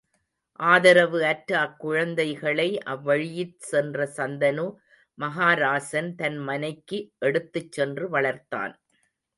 ஆதரவு அற்ற அக்குழந்தைகளை அவ்வழியிற் சென்ற சந்தனு மகாராசன் தன் மனைக்கு எடுத்துச் சென்று வளர்த்தான்.